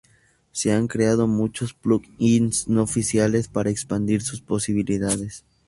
Se han creado muchos "plug-ins" no oficiales para expandir sus posibilidades.